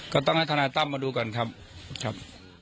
ก็ต้องให้ทนายตั้มมาดูก่อนครับครับ